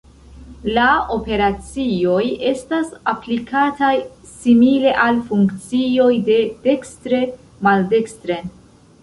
La operacioj estas aplikataj simile al funkcioj de dekstre maldekstren.